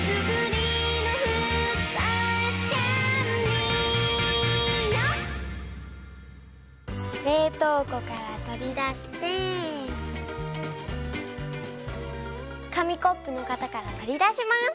れいとうこからとりだしてかみコップのかたからとりだします。